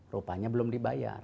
rupanya belum dibayar